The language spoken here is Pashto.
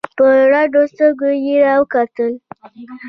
په رډو سترگو يې راوکتل.